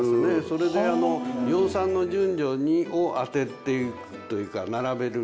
それで養蚕の順序を当てていくというか並べるというか。